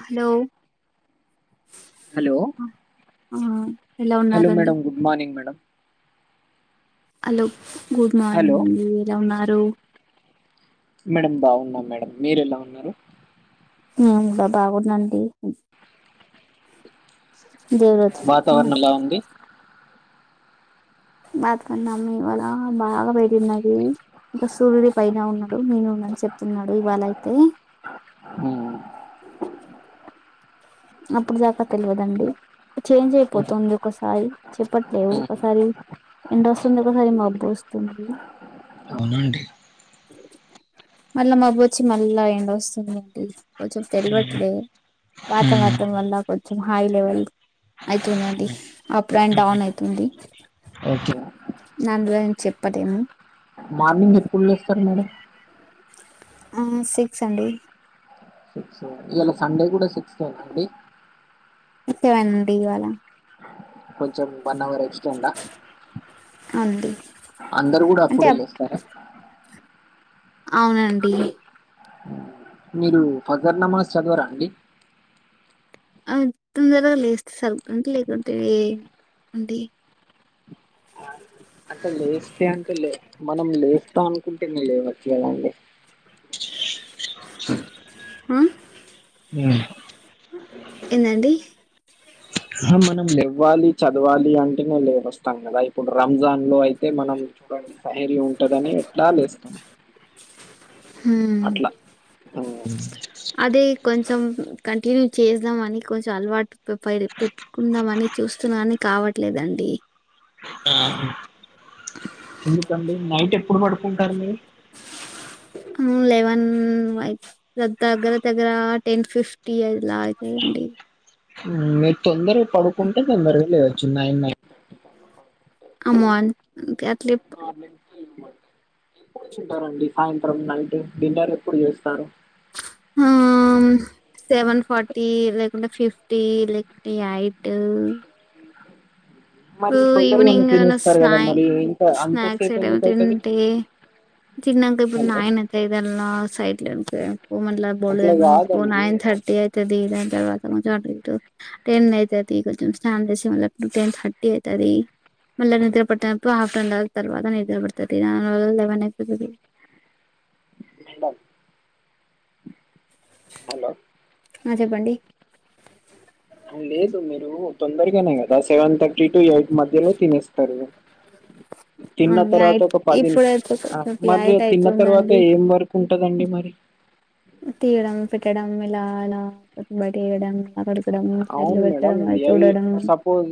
Hello hello ఆ ఎలా hello ఉన్నారండి madam good morning madam hello good hello morning అండి ఎలా ఉన్నారు మేడం బాగున్నా మేడం మీరు ఎలా ఉన్నారు బా బాగున్నా అండి దేవర వాతావరణం ఎలా ఉంది బతకున్నాము ఇవాళ బాగా పెట్టినది ఇంకా సూర్యుడి పైన ఉన్నాడు నేను ఉన్నాని చెప్తున్నాడు ఇవాళ అయితే హామ్ అప్పుడు దాకా తెలివదండి చేంజ్ ఉమ్, అయిపోతుంది ఒకసారి చెప్పట్లేవు ఉమ్. ఒకసారి ఎండ వస్తుంది ఒకసారి మబ్బు వస్తుంది అవునండి మళ్ళా మబ్బు వచ్చి మళ్ళా ఎండ వస్తుందండి కొంచెం తెలువట్లేదు వాతావరణం వల్ల కొంచెం హై లెవెల్ అవుతుందిండి అప్ అండ్ డౌన్ అవుతుంది ఓకే నందివేమ్ చెప్పతేమ మార్నింగ్ ఎప్పుడు లేస్తారు మేడం సిక్స్ అండి ఈయల సండే కూడా సిక్స్ అనాండి [unintelligible] ఇవాళ కొంచెం వన్ అవర్ ఎక్స్టడా అండి అందరుూ కూడా అప్పుడు లేస్తర అవునండి మీరు ఫగర్నమాస్ చదవరా అండి అ తొందరగా లేస్తే [unintelligible] లేకుంటే అండి ఆ అంటే లేస్తే అంటే లే మనం లేస్తాం అనుకుంటేనే లేవచ్చు కదండి ఆ ఉమ్ ఏందండి మనం లేవాలి చదవాలి అంటే వస్తాను కదా ఇప్పుడు రంజాన్ లో అయితే మనం చూడండి ధైర్యం ఉంటందని ఎట్లా లేస్తాం హు అట్లా ఉమ్, కంటిన్యూ చేసద్దాంమని కొంచెం అలవాటు పెట్టుకుందాం అని చూస్తున్నాని కావట్లేదండి ఆ ఎందుకండి నైట్ ఎప్పుడు పడుకుంటారు మీరు లెవెన్ వై దగ్గర దగ్గర టెన్ ఫిఫ్టీ అలా అవుతాయండి మీరు తొందరగా పడుకుంటే తొందరగా లేయవచ్చు నైన్ నైన్ [unintelligible] [unintelligible] సాయంత్రం నైట్ డిన్నర్ ఎప్పుడు చేస్తారు ఆ సెవెన్ ఫార్టీ [unintelligible] మరి ఇప్పుడు తొందరగానే ఈవినింగ్ తినేస్తారు స్నా కదా మరి ఇంత స్నాక్స్ అంతసేపు ఐటమ్ ఎందుకు అయితది తింటే తిన్నంక ఇప్పుడు హలో నాయనత ఇల సైట్లకు ఊ మట్ల అట్లా బోళద్ కాదండి నైన్ థర్టీ అవుతది ఇద టన్ స్ టెన్ [unintelligible] అయితది మళ నిద్ర [unintelligible] హఫ్టర్ అండ్వర్ తర్వాత నిద్ర పడత లేవన్ అయిపోతది మ హలో ఆ చెప్పండి లేదు మీరు తొందరగానే కదా సెవెన్ థర్టీ టు ఎయిట్ మధ్యలో తినేస్తారు తిన్న అవును తర్వాత ఎయిట్ ఒక పది ఇప్పుడైతే కొంచెం మరి ఎయిట్ తిన్న తర్వాత అవుతుందండి ఏం వర్కు ఉంటదండి మరి తీయడం పెట్టడం ఇలా అలాబయటేయాడం అవును మేడం ఎ సపోజ్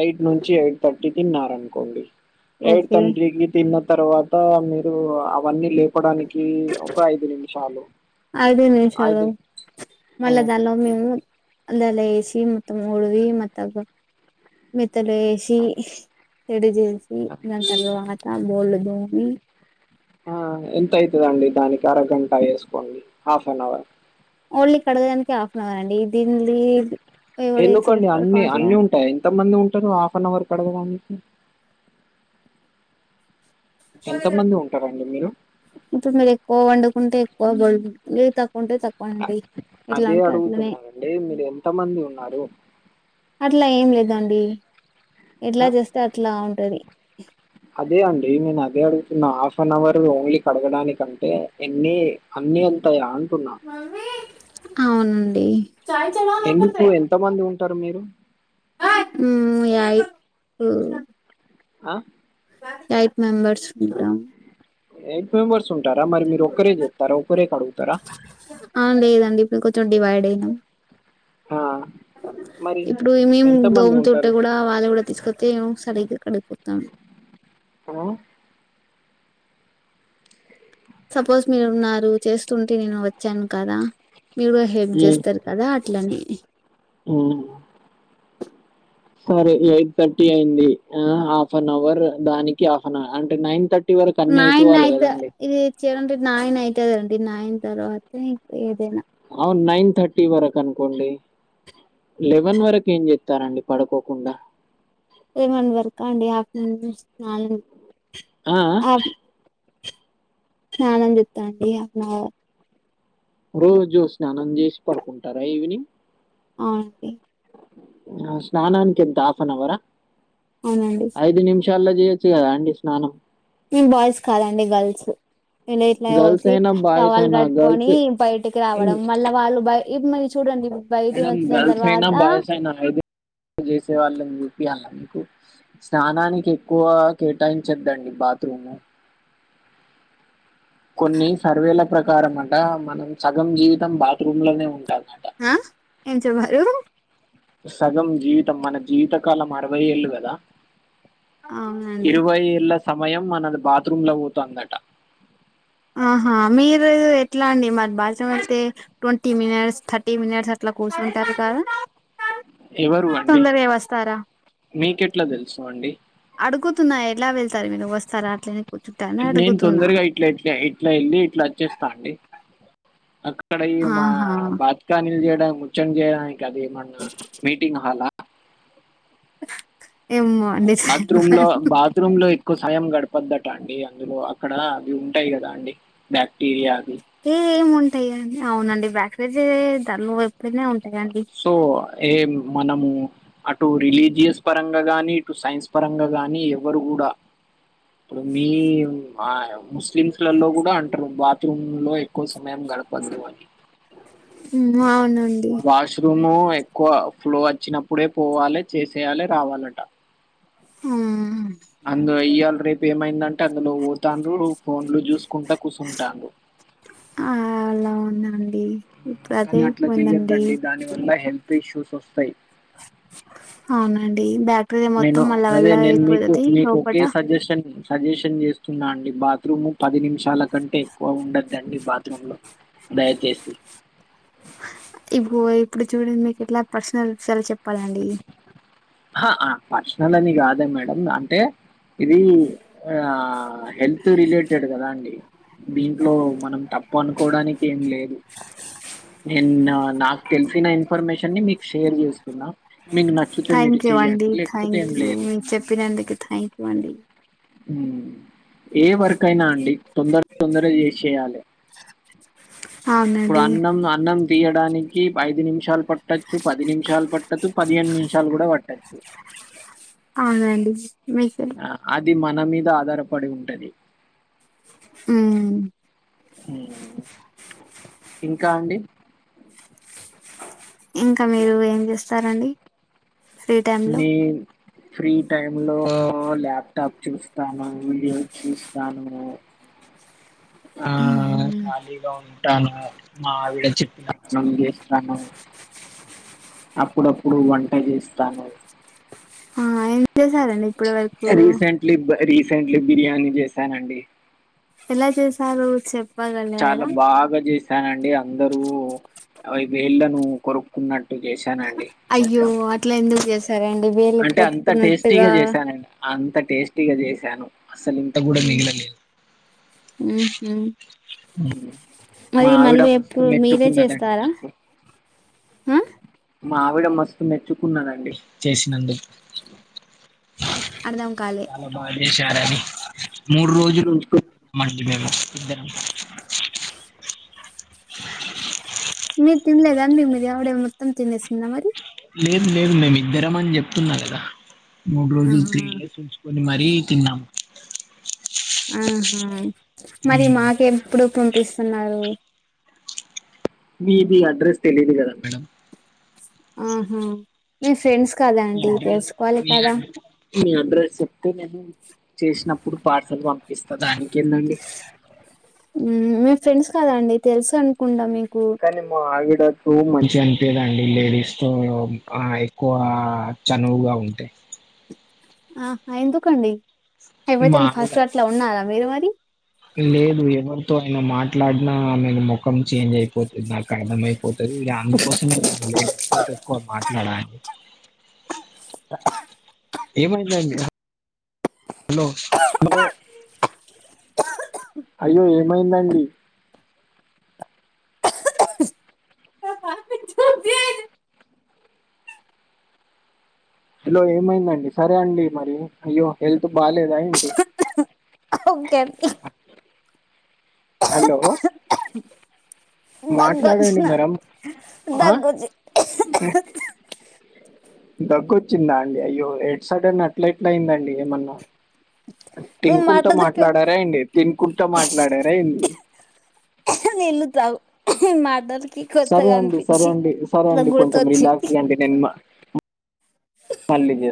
ఎయిట్ నుంచి ఎయిట్ థర్టీ తిన్నారనుకోండి ఎయిట్ ఓకే ట్వన్టికి తిన్న తర్వాత మీరు అవన్నీ లేపడానికి ఒక ఐదు నిమిషాలు ఐదు ఆ, మళ్ళజల్లం మేము అల లెసి మత్త ముడువి మత్తా మెత్తలు ఏసి ఏడి చేసి దాని తర్వాత బోళ్ళు దోమి ఆ ఎంత అవుతదండి దానికి అరగంట వేసుకోండి హాఫ్ అన్ అవర్ ఒళ్ళి కడగదనీకె హాఫ్ అన్వర్ అండి దీన్లీ ఎందుకోండి అన్ని అన్ని ఉంటాయి ఎంతమంది ఉంటా అంటే నువ్ హఫ్ అన్వర్ కడగద ఎంత మంది ఉంటారండి మీరు ఇప్పుడు మీరు ఎక్కువ వండుకుంటే ఎక్కువై తుంది తక్కువ ఉంటే తక్కువ అండి ఎట్లా అదే ఉంటే అట్లనే అడుగుతున్ననండి మీరు ఎంత మంది ఉన్నారు అట్లా ఏం లేదండి ఆ, ఎట్లా చేస్తే అట్లా ఉంటది అదే అండి నేను అదే అడుగుతున్నా హాఫ్ అన్ అవర్ ఓన్లీ కడగడానికంటే ఎన్ని నీ అంతాగాన్ అవునండి అంటారు మీరు మీ ఐ టూ అ యేట్ మెంబర్స్ ఉంటాం ఎయిట్ మెంబర్స్ ఉంటారా మరి మీరు ఒక్కరే చెప్తారా ఒకరే కడుగుతారా ఆ లేదండి ఇప్పుడు కొంచెం డివైడ్ అయినాం ఆ మరి ఇప్పుడు మేము ఎంతమంది దోమ్తుంటె ఉంటారు కూడా వాళ్ళ కూడా తీసుకొస్తే సరిగ్గా కడిగిపోతాం హాలొ సపోజ్ మీరు ఉన్నారు చేస్తుంటే నేను వచ్చాను కదా మీరు హెల్ప్ చేస్తారు కదా అట్లనే ఊ సరే ఎయిట్ థర్టీ అయింది హాఫ్ అన్ అవర్ దానికి హాఫ్ అన్ అవర్ అంటే నైన్ థర్టీ వరకు అన్నీ నైన్ అయిపోవాలి ఐత కదండి ఇదిచ్ చడంటే నైన్ అవుతదండి నైన్ తర్వాత ఇం ఏదైనా అవును నైన్ థర్టీ వరకు అన్కోండి లెవెన్ వరకు ఏం చెతారండి పడుకోకుండా ఏ మంది వరకు అండి అపిల్స్ ఆ? ఆ? నాలుగుఫ స్నానం చెత్తనండి హాఫ్న్ అవర్ రోజు స్నానం చేసి పడుకుంటారా ఈవినింగ్ అవునండి ఆ స్నానంకి ఎంత హాఫ్ అన్ అవర్రా అవునాండి పొద్దుగల చేయొచ్చు కదా అండి స్నానం ఈ బాయ్స్ కాదండి గర్ల్స్ ఇళ ఇట్లా గర్ల్స్ పోసి అయినా, బాయ్స్ టవాలు అయినా కట్టుకొని గర్ల్స్ బయటికి రావడం మళ్ళా వాళ్ళు బయ ఇది మరి చూడండి బయటికి మేడం వచ్చిన గల్త్ తర్వాత అయినా ఆ బయస్ అయినా ఏద చేసే వాళ్ళని చూపియాల మీకు స్నానానికి ఎక్కువ కేటాయించద్దండి బాత్రూమ్ కొన్ని సర్వేల ప్రకారం అంట మనం సగం జీవితం బాత్రూమ్ లోనే ఉంటాలి ఆ ఏం చె బారు సగం జీవితం మన జీవితకాలం అరవై ఏళ్ళు కదా అవునండి ఇరవై ఏళ్ళ సమయం మన బాత్రూమ్ లో పోతుందట ఆహా మీరు ఎట్లా అండి మరి భాష అయితే ట్వంటీ మినిట్స్ థర్టీ మినిట్స్ అట్లా కూర్చుంటారు కదా ఎవరు అండి తొందరగా వస్తారా మీకెట్లా తెలుసు అండి తున్నా ఎట్లా వెళ్తారు మీరు వస్తా అట్ల నేను తొందరగా ఇట్లా ఇట్లా ఇట్లా వెళ్ళి ఇట్లా వచ్చేస్తా అండి అక్కడ ఈ మా ఆహా బాత్కానీలు చేయడం ముచం చేయడానికి అది ఏ మన్నా మీటింగ్ హల్ ఏమో అండి బాత్రూమ్ లో బాత్రూమ్ లో ఎక్కువ సాయం గడపు వద్దట అండి అందులో అక్కడ అవి ఉంటాయి కదా అండి బాక్టీరియా బ్యాకతే దాన్ని వైపునే ఉంట సో ఏ మనము అటు రిలీజియస్ పరంగా గానీ ఇటు సైన్స్ పరంగా గాని ఎవరు కూడా ఇప్పుడు మీ ఆ ముస్లిమ్స్లలో కూడా అంటారు బాత్రూమ్ లో ఎక్కువ సమయం గడపందు అని హ్మ్ అవునండి వాష్రూమ్ ఎక్కువ ఫ్లో వచ్చినప్పుడే పోవాలి చేసేయాలి రావాలట హ్మ్ అందు ఇయ్యాల రేపు ఏమైందంటే అందులో పోతను ఫోన్లు చూసుకుంటా కూర్చుంటాను అ అలా అండి ఇప్పుడు అదే కానీ అట్లా పోయిందండి చెయ్యొద్దండి దాని వల్ల హెల్త్ ఇష్యూస్ వస్తాయి అవునండి బ్యా నేను అదే నేను మీకు మీకు ఒకే లోపట సజెషన్ సజెషన్ చేస్తున్నా అండి బాత్రూమ్ పది నిమిషాల కంటే ఎక్కువ ఉండద్దండి బాత్రూమ్ లో దయచేసి ఓ ఇప్పుడు చూడంది మీకు ఎట్లా పర్సనల్ విషయాలు చెప్పాలండి ఆ పర్సనల్ అని కాదే మేడం అంటే ఇది ఆ హెల్త్ రిలేటెడ్ కదా అండి దీంట్లో మనం తప్పు అనుకోవడానికి ఏం లేదు నేను నాకు తెలిసిన ఇఫర్మేషన్ మీకు షేర్ చేస్తున్నా మీకు నచ్చు థ్యాంక్ యూ అండి థ్యాంక్ యూ మీరు చెప్పినందుకు థ్యాంక్ యూ అండి హ్మ్ ఏ వర్కైనా అండి తొందర తొందర చేసేయాలే ఇప్పుడు అవునండి అన్నం అన్నం తీయడానికి ఐదు నిమిషాలు పట్టచ్చు పది నిమిషాలు పట్టచ్చు పదిహన్ని నిమిషాలు కూడా పట్టచ్చు అవునండి మీకు ఆ అది మన మీద ఆధారపడి ఉంటది మ్మ్ ఇంకా అండి ఇంకా మీరు ఏం చేస్తారండి ఫ్రీ టైమ్ లో మీ ఫ్రీ టై లో ల్యాప్టాప్ చూస్తాను వీడియో చూస్తాను ఆ ఖాళీగా ఉంటాను మావిడ చెప్పిన మన చేస్తాను అప్పుడప్పుడు వంట చేస్తాను ఆ ఏం చేశారండి ఇప్పుడు వరకు రీసెంట్లీ రీసెంట్లీ బిర్యానీ చేసానండి ఎలా చేసారు చె చాలా బాగా చేసానండి అందరూ అపు ఇళ్ళలను కొరుక్కున్నట్టు టు చేసానండి అయ్యో మొత్తం అట్లా ఎందుకు చేసారండి వేలు అంటే అంత కొట్టుకున్నట్టుగా టేస్టీగా చేసానుండి అంత టేస్టీగా చేసాను అసలు ఇంంత గ కూడాడ మగిల ఉ మా మరి ఆవిడ మళ్ళీ మస్తు ఎప్పుడు మీరే మెచ్చుకున్నదండి చేస్తారా ఆ మావిడ మస్తు మెచ్చుకున్నానండి చేసినందుకు అర్ధం కాలే చాల బాజసి మూడు రోజులు మేము ఇద్దరం మీరు తినలేదండి మీరు ఎవడే మొత్తం తినేసిందా మరి లేదు లేవు మేమి ఇద్దరం అని చెప్తున్నా కదా మూడు రోజులు త్రీ ఆహా డేస్ ఉంచుకొని మరీ తిన్నాము ఆహా మరి మాక ఎప్పుడు పంపిస్తున్నారు మీది అడ్రస్ తెలియదు కదా మేడం ఆహా మీ ఫ్రెండ్స్ కాదా అండి తెలుసుకోవాలి కదా అడ్రెస్స్ చెప్తే చేసినప్పుడు పార్సల్ పంపిస్తా దానికి ఏందండి మీ ఫ్రెండ్స్ కదండి తెలుసు అనుకుంటా మీకు కానీమ్మ ఆవి మంచిగా అనిపేదండి లేడీస్ తో ఆ ఎక్కువ చనువుగా ఉంటాయి ఆ ఎందుకండి ఎవరైతేనా మాములుగా ఫస్ట్ట్లా ఉన్నారా మీరు మరి లేదు ఎవరితో అయన మాట్లాడినా ఆేను మొ ముఖం చేంజ్ అయిపోతుంది నాకు అర్థమ అయిపోతుంది ఇక అందుకోసమే లేడీస్ తో ఎక్కువ మాట్లాడాలి ఏమైది అండి హలో హలో అయ్యో ఏమైందండి చ హలో ఏమైందండి సరే అండి మరి అయ్యో హెల్త్ బాలేదా ఏంటి క హలో దగు మాట్లాడండి మేడం ఆ వచ్చింది దగ్గొచ్చిందా అండి అయ్యో ఎడ్ సైడ్ అని అట్లా ఎట్లా అయిందండి ఏమన్నా నువ్వు తినుకుంటా మాట్లాడుతూ మాట్లాడారా అండి తినుకుంటా మాట్లాడారా అడి నిల్లు తగుల సరే అండి సరే అండి సరే అండి కొంచెం గుర్తొచ్చింది రిలాక్స్గా అండి నేను మల్లిజ